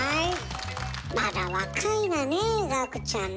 まだ若いわねえ岳ちゃんね。